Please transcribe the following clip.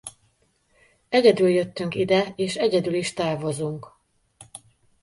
Egyedül jöttünk ide és egyedül is távozunk.